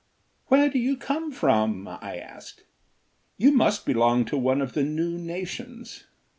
"Where do you come from?" I asked. "You must belong to one of the new nations.